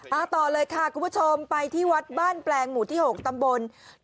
ต่อเลยค่ะคุณผู้ชมไปที่วัดบ้านแปลงหมู่ที่๖ตำบล